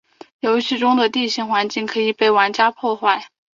游戏中的地形环境可以被玩家破坏。